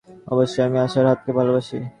অবশ্যই আমি আমার হাতকে ভালোবাসি।